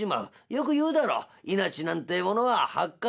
よく言うだろ命なんてものははかないと」。